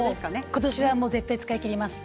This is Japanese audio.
今年は絶対に使い切ります。